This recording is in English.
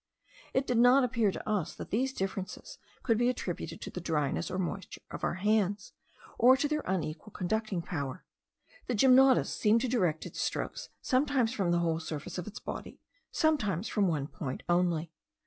It did not appear to us that these differences could be attributed to the dryness or moisture of our hands, or to their unequal conducting power. The gymnotus seemed to direct its strokes sometimes from the whole surface of its body, sometimes from one point only.